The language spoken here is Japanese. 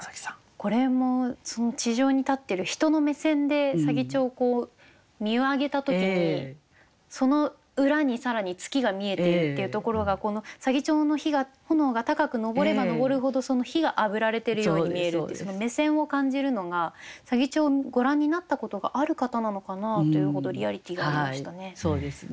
これも地上に立ってる人の目線で左義長を見上げた時にその裏に更に月が見えているっていうところがこの左義長の火が炎が高く上れば上るほどその火があぶられてるように見えるっていう目線を感じるのが左義長をご覧になったことがある方なのかなというほどリアリティーがありましたね。